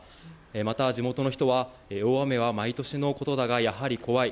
また、地元の人は大雨は毎年のことだがやはり怖い。